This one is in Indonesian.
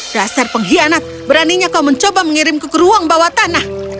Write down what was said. dasar pengkhianat beraninya kau mencoba mengirimku ke ruang bawah tanah